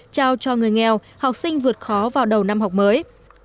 trao cho người nghèo học sinh vượt khó vào đầu năm học mới